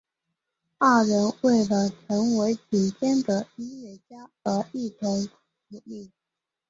二人为了成为顶尖的音乐家而一同努力。